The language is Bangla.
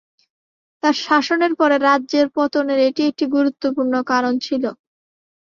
তাঁর শাসনের পরে রাজ্যের পতনের এটি একটি গুরুত্বপূর্ণ কারণ ছিল।